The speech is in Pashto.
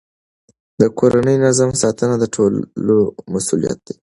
د کورني نظم ساتنه د ټولو مسئولیت دی.